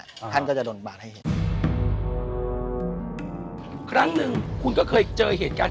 ชื่องนี้ชื่องนี้ชื่องนี้ชื่องนี้ชื่องนี้